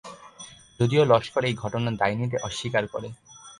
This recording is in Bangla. যদিও লস্কর এই ঘটনার দায় নিতে অস্বীকার করে।